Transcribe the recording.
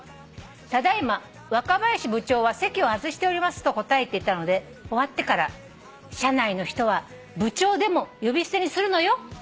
『ただ今ワカバヤシ部長は席を外しております』と答えていたので終わってから社内の人は部長でも呼び捨てにするのよ」